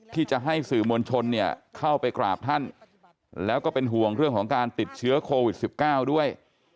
ที่จะให้สื่อมวลชนเนี่ยเข้าไปกราบท่านแล้วก็เป็นห่วงเรื่องของการติดเชื้อโควิด๑๙ด้วย